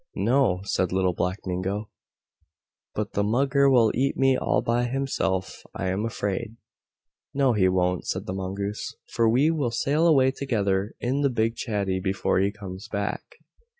"No," said Little Black Mingo, "but the Mugger will eat me all by himself I am afraid." "No he won't," said the Mongoose, "for we will sail away together in the big chatty before he comes back."